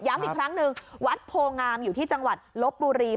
อีกครั้งหนึ่งวัดโพงามอยู่ที่จังหวัดลบบุรี